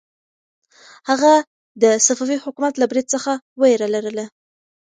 هغه د صفوي حکومت له برید څخه وېره لرله.